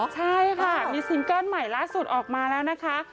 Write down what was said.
ใช่ค่ะมีซิงเกิ้ลใหม่ล่าสุดออกมาแล้วนะคะ